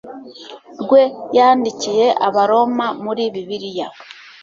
rwe yandikiye abaroma muri bibiriya